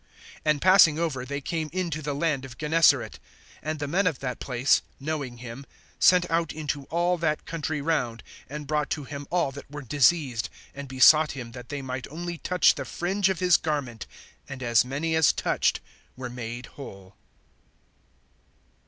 (34)And passing over, they came into the land of Gennesaret. (35)And the men of that place, knowing him, sent out into all that country round, and brought to him all that were diseased (36)and besought him that they might only touch the fringe of his garment; and as many as touched were made whole.